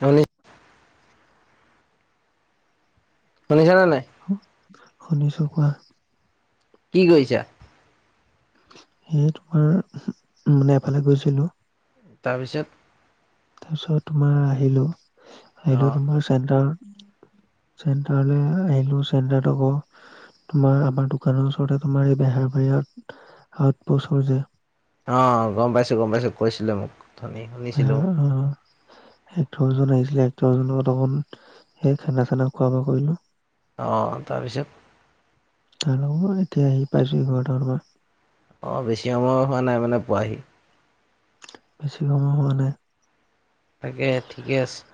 হয়ঁ নি। শুনিছানে নাই। শু শুনিছোঁ কোৱা। কি কৰিছা? সে তোমাৰ মানে এফালে গৈছিলোঁ। তাৰ পিছত- তাৰপিছত তোমাৰ আহিলো অ আহিলো তোমাৰ চেণ্টাৰত- চেণ্টাৰলৈ আহিলো চেণ্টাৰত আকৌ- তোমাৰ আমাৰ দোকানৰ ওচৰত তোমাৰ এই বেহাৰবাৰী আউ আউটপ'ষ্ট যে- অঁ গম পাইছোঁ গম পাইছোঁ কৈছিলে মোক। অথনি [unintelligible] শুনিছিলো এক্টৰজন আহিছিলে এক্টৰ জনৰ লগত অকন সেই খানা চানা খোৱা বোৱা কৰিলোঁ। অঁ তাৰ পিছত। তাৰ লগত এতিয়া আহি পাইছোহি ঘৰত অমান। অঁ বেছি সময় হোৱা নাই মানে পোৱাহি। বেছি সময় হোৱা নাই। তাকে ঠিকে আছে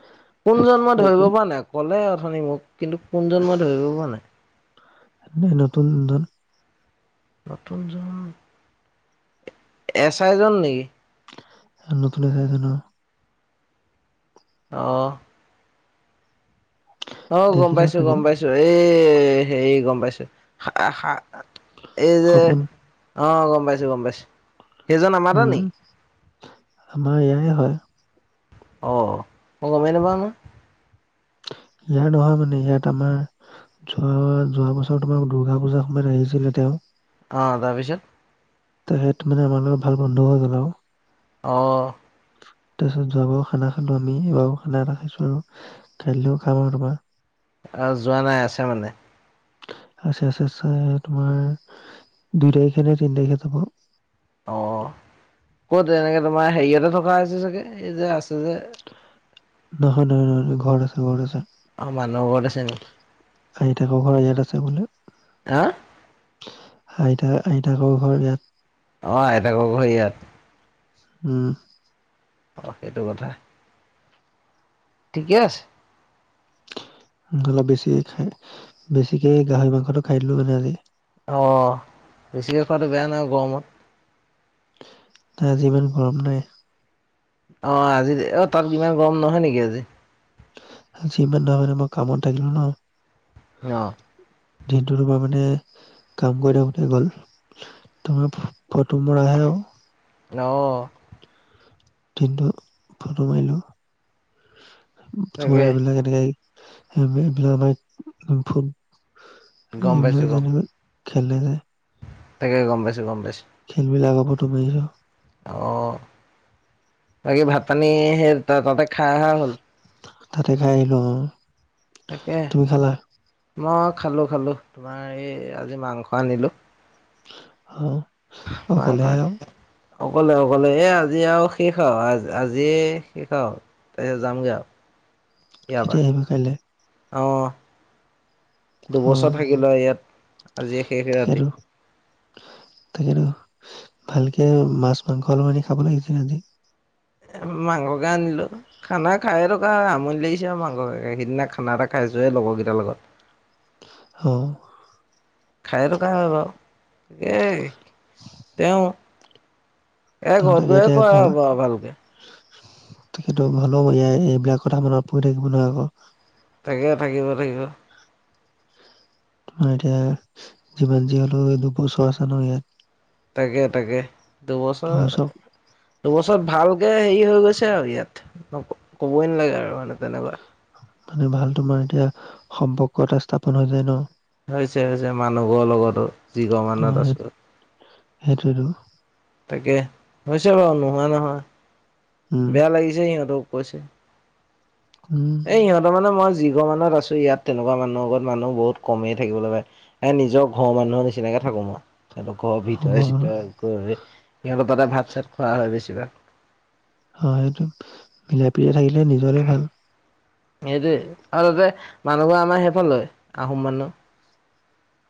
কোন জন মই ধৰিব লখিম পৰা নাই কলে অথনি মোক। কিন্তু কোনজন মই ধৰিব পৰা নাই। মানে নতুন জুন। নতুন জুন- এছ আই জন নেকি? এ নতুন এছ আই জনৰ। অঁ- অঁ গম দেখিছা পাইছোঁ চাগে গম পাইছোঁ এই হেই গম পাইছোঁ থাকা খা- এই যে সপোন অঁ গম পাইছোঁ গম পাইছোঁ। উমঁ আমাৰ ইয়াই হয়ঁ। অঁ মই গমেই নেপাওঁ নহয়। ইয়াৰ নহয় মানে ইয়াত আমাৰ- যোৱা যোৱা বছৰ তোমাৰ দূৰ্গা পূজাৰ সময়ত আহিছিলে তেওঁ। অঁ', তাৰ পিছত? তাপিছত' মানে আমাৰ লগত ভাল বন্ধু হৈ গ'ল আও। অঁ'। তাৰ পিছত যোৱা বাৰু খানা খালোঁ আমি এবাৰো খানা এটা খাইছোঁ আৰু- খাইলৈও খাম আও তোমাৰ - আ, যোৱা নাই আছে মানে। আছে, আছে, আছে তোমাৰ দুই তাৰিখে নে তিন তাৰিখে যাব। অ', ক'ত এনেকে তোমাৰ হেৰিয়তে থকা হৈছে চাগে এই যে আছে যে নহয় নহয় নহয় ঘৰত আছে, ঘৰত অ মানুহ ঘৰত আছে নি আছে। হাহি থাকোঁ ঘৰত ইয়াত আছে বোলে। হা হাহি থাকা আহি থাকোঁ ঘৰত ইয়াত অ', আইতাক ঘৰ [unintelligible] ইয়াত। উম। অ', সেইটো কথা। ঠিকে আছ। উম, অলপ বেছি খাই, বেছিকে গাহৰি মাংসটো খাই দিলোঁ মানে আজি। অহ, বেছিকে খোৱাটো বেয়া নাই গৰমত। তা আজি ইমান গৰম নাই। অ', আজিতে অ', তাত ইমান গৰম নহয় নেকি আজি? যিমান [unintelligible] মানে মই কামত থাকিলো ন'। [unintelligible] দিনটো তোমাৰ মানে কাম কৰি থাকোঁতে গ'ল। তোমাৰ ফটো মৰা আহে আৰু। ন'। দিনটো ফটো মাৰিলো। তোমাৰ তাকে এইবিলাকে ধেই এবে এইবিলা বাইত ফুট গম পাইছো এইবিলাক গম যেনিবা খেলে যে। তাকে গম পাইছোঁ, গম পাইছোঁ। খেল বিলাকৰ ফটো মাৰিছোঁ। অ', বাকী ভাত পানী সেই তই তাতে খাই অহা হ'ল? তাতে খাই আহিলোঁ অ'। তাকে তুমি খালা মই খালোঁ খালোঁ, তোমাৰ এই আজি মাংস আনিলোঁ। [inaudible] অকলেহে আৰু [unintelligible] অকলে অকলে এ, আজি আৰু শেষ আৰু আজ-আজিয়ে শেষ আৰু তাৰপিছত যামগে আৰু। [inaudible] এয়াবা আহিবা কাইলে অ'। অ দুবছৰ থাকিলোঁ ইয়াত, আজিয়ে শেষে ৰাতি। তাকেতো তাকেতো' ভালকে মাছ-মাংস অলপ আনি খাব লাগিছিলে আজি। এম, মাংসকে আনিলোঁ। খানা খাই থকা হয়, আমনি লাগিছে আৰু মাংস খাই খাই, সিদিনা খানা এটা খাইছোহে লগৰ কেইটাৰ লগত। অ'। খাই থকা হয় বাৰু। এই তেওঁ ত এ, ঘৰত তাকে গৈয়ে এতিয়া খোৱা হ'ব আৰু ভালকে। তাকেটো [unintelligible] এইবিলাক কথা মনত পৰি থাকিব নহয় আকৌ। তাকে থাকিব, থাকিব। তোমাৰ এতিয়া যিমান যি হ'লো এই দুপোচ' আছে ন' ইয়াত। তাকে, তাকে। দুবছৰ দুবছৰত ভালকে হেৰি হৈ গৈছে আৰু ইয়াত, কবই নালাগে আৰু মানে তেনেকুৱা। মানে ভাল তোমাৰ এতিয়া সম্পৰ্ক এটা স্থাপন হৈ যায়, ন। হৈছে, হৈছে, মানুহ ঘৰ লগতো, যি ঘৰ অ মানত সেই আছোঁ। সেইটোৱেতো তাকে, হৈছে বাৰু নোহোৱা নহয়, উম বেয়া লাগিছে সিহঁতে কৈছে। উম। সিহঁত মানে, মই যি ঘৰ মানত আছোঁ, ইয়াত তেনেকুৱা মানুহৰ ঘৰত মানুহ বহুত কমেই থাকিবলৈ পায়। ইয়াত নিজৰ নিজৰ ঘৰৰ মানুহৰ নিচিনাকে থাকো মই। তাৰপা ঘৰৰ গম অ ভিতৰে-চিটৰে গৈ সিহঁতৰ তাতে ভাত- চাত খোৱা হয় বেছিভাগ। হয় সেইটো, মিলাই-প্ৰীতিৰে থাকিলে নিজৰে ভাল। সেইটোৱে আৰু তাতে মানুহবোৰে আমাৰ সেইখন লয় আহোম মানুহ।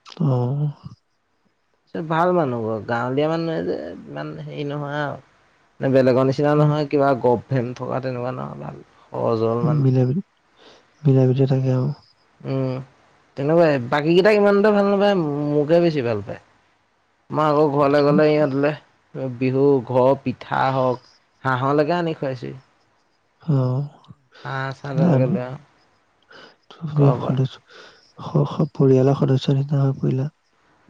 অঁ। ভাল মানুহ ঘৰ, গাঁৱলীয়া মানুহ নহয় যে, ইমান হেৰি নহয় আৰুে বেলেগৰ নিচিনা। কিবা উম নহয় কিবা গভ-ভেম থকা তেনেকুৱা নহয়, ভাল। সহজ সৰল উম, মানুহ মিলা-প্ৰীতি, মিলা-প্ৰীতিৰে থাকে আৰু। উম, তেনেকুৱাই বাকী কেইটাক ইমানতখ ভাল নাপায়, মোকে বেছি ভাল পায়। মই আকৌ ঘৰলে গ'লে ইহঁতলে বিহু, ঘৰ পিঠা হওঁক- হাঁহলেকে আনি খুৱাইছে। অঁ, চাহ তেনেকে লৈ আহো ঘৰৰ পৰা [unintelligible] স- স, পৰিয়ালৰ সদস্য নিচনা হৈ পৰিলা।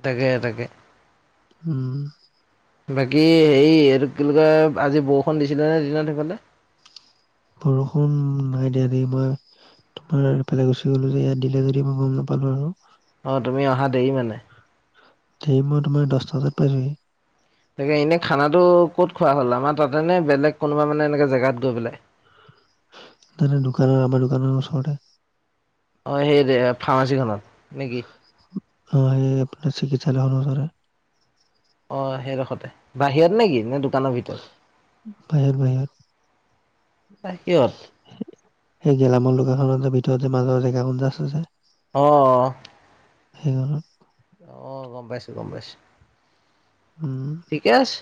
তাকে -তাকে। উম। বাকী হেৰি, এইটো কি বুলি কয়? আজি বৰষুণ দিছিলে নে দিনত সেইফালে? বৰষুণ নাই দিয়া দেই। মই- তোমাৰ এফালে গুচি গ'লো যে, ইয়াত দিলে যদি মই গম নাপালোঁ আৰু। অঁ, তুমি অহা দেৰি মানে। হেৰি মই তোমাৰ দহটা বজাত পাইছোঁহি। তাকে এনেই খানাটো ক'ত খোৱা হ'ল, আমাৰ তাতে নে বেলেগ কোনোবা মানে এনেকে জেগাত গৈ পেলাই? তাতে দোকানৰ, আমাৰ দোকানৰ ওচৰতে। অঁ, সেই যে ফাৰ্মাচী খনত নেকি? অঁ, সেই চিকিৎসালয় খনৰ ওচৰতে। অঁ, সেইদখতে। বাহিৰত নে কি, নে দোকানৰ ভিতৰত? বাহিৰত বাহিৰত বাহিৰত। সেই গেলামাল দোকানখনৰ যে ভিতৰতে মাজৰ জেগাকণ যে আছে যে। অঁ। [unintelligible] অঁ, গম পাইছোঁ, গম পাইছোঁ। উম ঠিকে আছে,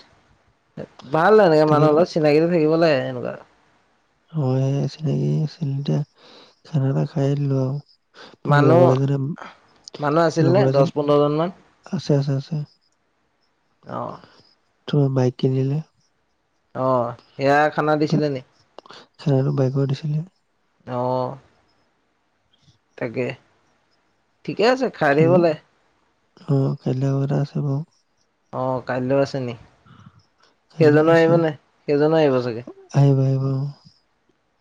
ভাল এনেকে তাকে মানুহৰ লগত অলপ চিনাকিতো থাকিব লাগে এনেকুৱা। [unintelligible] খানাটা খাই দিলোঁ আৰু। মানে মানুহ, লগৰ এজনে মানুহ আছিল নে লগৰ এজন দহ, পোন্ধৰ জন মান? আছে, আছে, আছে। অঁ। [unintelligible] বাইক কিনিলে। অঁ, সেয়া খানা দিছিলে নি? খানাটো বাইকৰ দিছিলে অঁ। তাকে, ঠিকে আছে। খাই থাকিব লাগে [unintelligible] আছে‌ [unintelligible] অঁ, কাইলৈও আছে নি? কাইলৈও সেইজনো আছে আহিব নে? সেইজনো আহিব চাগে! আহিব আহিব অ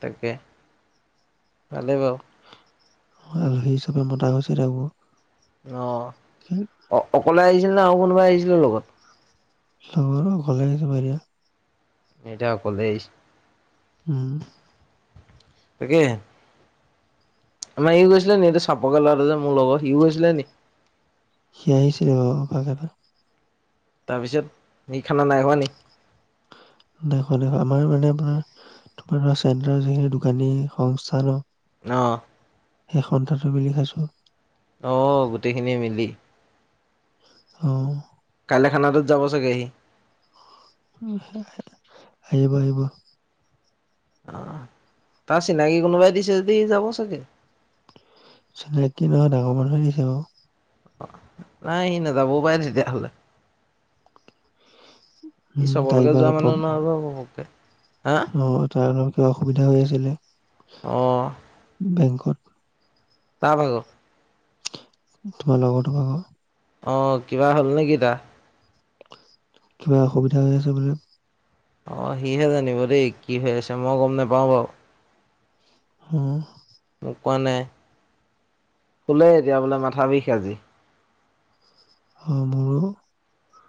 তাকে, ভালেই বাৰু। আলহী হিচাপে মতা গৈছে তাকো। অ'। কি? অ- অকলে আহিছিল নে, আৰু কোনোবা আহিছিলে লগত? [unintelligible] সিহঁতকেইটা অকলেই আহিছে। উম। তাকেহে। আমাৰ ইও গৈছিলে নেকি, এইটো চাপৰকে ল'ৰাটো যে মোৰ লগৰ, সিও গৈছিলে নেকি? সি আহিছিলে অ', লগতে। তাৰপিছত সি খানা নাই খোৱা নি? নাই খোৱা, নাই খোৱা, আমাৰ মানে ধৰ [unintelligible] চেণ্টাৰৰ যিখিনি দোকানী সংস্থা ন। অ'। সেই সন্থাটো মিলি খাইছো। অ', গোটেইখিনিয়ে মিলি। উম। কাইলে খানাটোত যাব চাগে সি? আহিবি, আহিবি। অ', তাৰ চিনাকি কোনোবাই দিছে যদি সি যাব চাগে। চিনাকী নহয়, ডাঙৰ মানুহে দিছে বাৰু। অ', নাই সি নাযাবও পাৰে তেতিয়াহ'লে। সি উম চবৰ তাই লগত কিবা যোৱা অলপ প্ৰব মানুহ নহয় বাৰু ঘপকে। অ', তাৰ অকণ কিবা অসুবিধা হৈ আছিলে। অ'। বেংকত। তাৰ ভাগৰ। তোমাৰ লগৰটোৰ ভাগৰ। অ', কিবা হ'ল নেকি তা? কিবা অসুবিধা হৈ আছে বোলে। অ', সিহে জানিব দেই কি হৈ আছে, মই গম নেপাওঁ বাৰু। উম। মোক কোৱা নাই, শুলেই এতিয়া বোলে মাথা বিষ আজি। উম, মোৰো।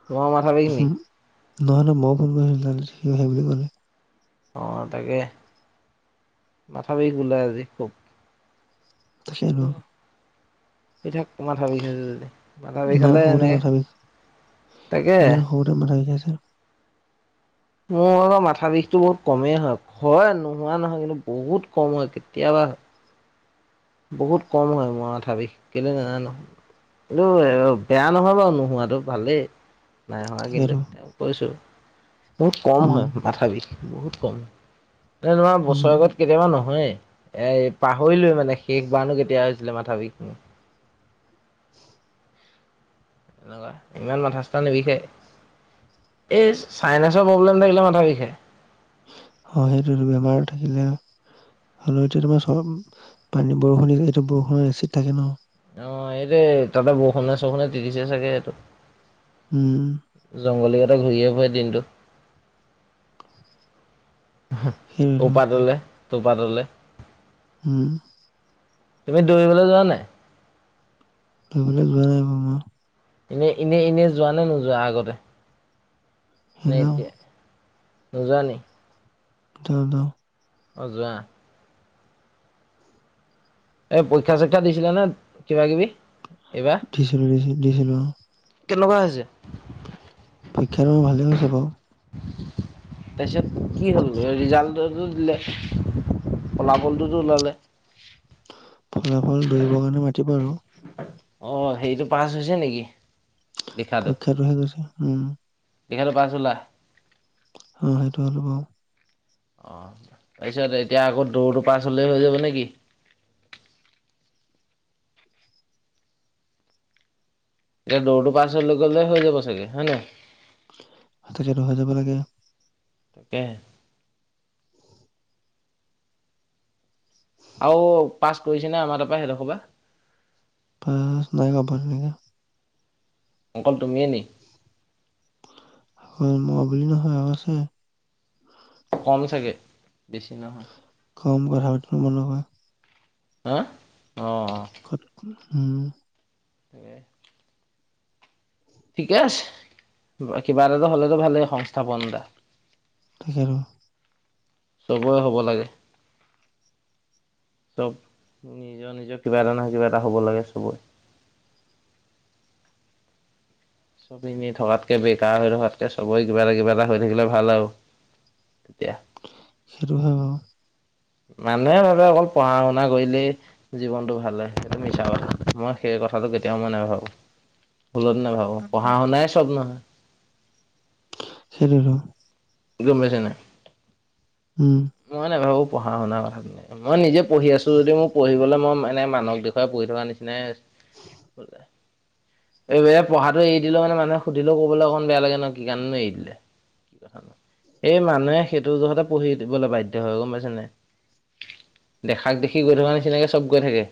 তোমাৰো মাথা বিষ উহু, নেকি? নহয়, নহয়, মই ফোন কৰিছিলো, তাৰপাছত সি সেই বুলি ক'লে। অ', তাকেই মাথা বিষ বুলে আজি খুব। তাকেতো [unintelligible] শুই ঠাক মাথা বিষইছে যদি। মাথা বিষ ইমান হ'লে সৰুতে এনে মাথা বিষ, তাকে ইমান সৰুতে মাথা বিষাইছে। মোৰ অলপ মাথা বিষটো বহুত কমেই হয়। হয় নোহোৱা নহয়, কিন্তু বহুত কম হয় কেতিয়াবা হয়। বহুত কম হয় মোৰ মাথাৰ বিষ, কেলে নাজানো। কিন্তু, বেয়া নহয় বাৰু নোহোৱাটো ভালেই। নাই হোৱা, কিন্তু তাকেতো তেওঁ কৈছো, বহুত কম উম হয়। মাথা বিষ বহুত কম হয়, মানে তোমাৰ উম বছৰেকত কেতিয়াবা নহয়, এ পাহৰিলোৱে মানে শেষ বাৰ কেতিয়া হৈছিলে মাথা বিষ খিনি। এনেকুৱা ইমান মাথা -চাথা নিবিষায়। এই চাইনাচৰ প্ৰব্লেম থাকিলেও মাথা বিষায়। অঁ, সেইটো বেমাৰ থাকিলে। হ'লেও এতিয়া তোমাৰ চব পানী বৰষুণ এইটো বৰষুণৰ এচিড থাকে ন। অঁ, এইটোৱে তাতে বৰষুণে- চৰষুণে তিতিছে চাগে সেইটো। উম। জংঘলী গোটা ঘূৰিয়ে ফুৰে দিনটো। সেইটোৱেতো ওপাটলে- তোপাটলে। উম। তুমি দৌৰিবলে যোৱা নাই? দৌৰিবলে যোৱা হয়। এনে এনে এনে যোৱা নে নোযোৱা আগতে সেই নে যাওঁ এতিয়া? নোযোৱা নি? যাওঁ, যাওঁ। অঁ, যোৱা। এই পৰীক্ষা -চৰীক্ষা দিছিলা নে কিবা কিবি? এইবাৰ দিছিলোঁ, দিছিলোঁ। কেনেকুৱা হৈছে? পৰীক্ষাটো মোৰ ভালেই হৈছে বাৰু। তাৰপিছত কি হ'ল? ৰিজাল্টটো দিলে, ফলাফলটোতো ওলালে। ফলাফল দৌৰিবৰ কাৰণে মাতিব আৰু। অঁ, হেৰিটো পাছ হৈছে নেকি? পৰীক্ষাটোহে গৈছে উম। পৰিক্ষাতো পাছ হ'লা? অঁ, সেইটো হ'লো বাৰু। অঁ, তাৰপিছত এতিয়া আকৌ দৌৰটো পাছ হ'লেই হৈ যাব নে কি? এতিয়া দৌৰটো পাছ হৈ গ'লে হৈ যাব চাগে, হয়নে? তাকেটো হৈ যাব লাগে। তাকেহে। আৰু পাছ কৰিছে নে আমাৰ তাৰ পৰা সেইডোখৰ পৰা? পাছ নাই কৰা, পাছ নাই কৰা। অকল তুমিয়ে নি? অকল মই বুলি নহয় আৰু আছে। কম চাগে বেছি নহয়। কম [unintelligible] নহয়। হা? অঁ, অঁ। উম। তাকে। ঠিকে আছে, কিবা এটাতো হ'লেতো ভালে সংস্থাপন এটা। তাকে ক। চবৰে হ'ব লাগে। চব নিজৰ নিজৰ কিবা এটা নহয় কিবা এটা হ'ব লাগে চবৰে। চব এনে থকাতকে, বেকাৰ হৈ থকাতকে চবৰে কিবা এটা কিবা এটা হৈ থাকিলে ভাল আৰু। কেতিয়া? সেইটো হয় বাৰু। মানুহে ভাবে অকল পঢ়া-শুনা কৰিলেই জীৱনটো ভাল হয়, সেইটো মিছা কথা, মই সেই কথাটো কেতিয়াও মই নাভাবো, ভুলতো নাভাবো, পঢ়া-শুনাই চ'ব নহয়। সেইতোয়েই টো। গম পাইছা নাই? উম। মই নাভাবো পঢ়া-শুনা কথা বিলাক। মই নিজে পঢ়ি আছো যদিও মোৰ পঢ়িবলে মন নাই কিবা মানুহক দেখোৱাই পঢ়ি থকা নিচিনা হে হৈছে। এই বয়সত পঢ়াটো এৰি দিলেও মানে মানুহক সুধিলে ক'বলৈ অকণ বেয়া লাগে ন, কি কাৰণেনো এৰিলে? দেখা নাই। এই মানুহে সেইটো জোহতে পঢ়িবলৈ বাধ্য হয়, গম পাইছ নে নাই। দেখাক দেখি গৈ থকা নিচিনাকে চ'ব গৈ থাকে।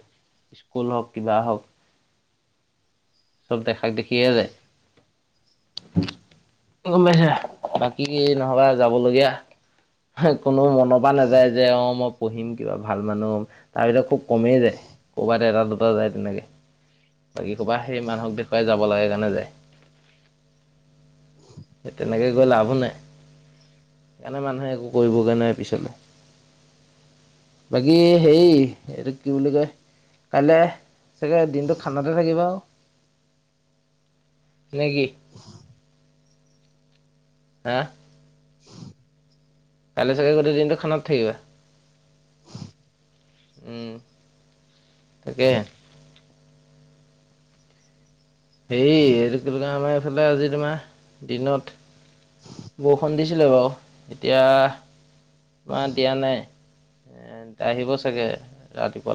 স্কুল হওক কিবা হওক। চ'ব দেখাক দেখিয়ে যায়। বোলে হেয়া বাকী কি নহবা যাবলগীয়া, কোনো মনৰ পৰা নাযায় যে অ' ম পঢ়িম কিবা ভাল মানুহ হম, আৰু এইবিলাক খুব কমই যায়, কৰ'বাত এটা দুটা যায় তেনেকে। বাকী সোপা সেই মানুহক দেখুৱাই যাব লাগে কাৰণে যায়। সে তেনেকে গৈ লাভো নাই। সেইকাৰণে মানুহে একো কৰিবগে নোৱাৰে পিছলে। বাকী হেই, এইটো কি বুলি কয় কাইলে। চাগে দিনটো খানাত হে থাকিবা আও, নে কি? [inaudible] আ। [inaudible] কাইলে চাগে গোটেই দিন খানত থাকিবা? উম, তাকে। হেই এইটো কি বুলি কয়, আমাৰ এইফালে আজি তোমাৰ দিনত বৰষুণ দি দিছিলে বাৰু, এতিয়া তোমাৰ দিয়া নাই। এ, আহিব চাগে ৰাতিপুৱা।